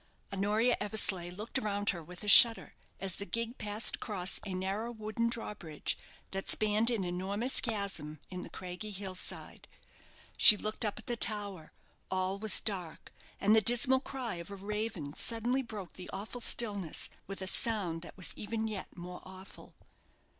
Honoria Eversleigh looked around her with a shudder, as the gig passed across a narrow wooden drawbridge that spanned an enormous chasm in the craggy hill side. She looked up at the tower. All was dark, and the dismal cry of a raven suddenly broke the awful stillness with a sound that was even yet more awful.